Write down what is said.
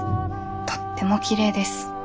とってもきれいです」。